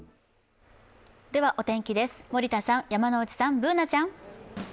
お天気です、森田さん山内さん、Ｂｏｏｎａちゃん。